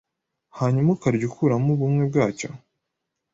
hanyuma ukarya ukuramo Ubumwe bwacyo